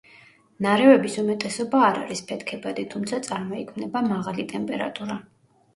ნარევების უმეტესობა არ არის ფეთქებადი, თუმცა წარმოიქმნება მაღალი ტემპერატურა.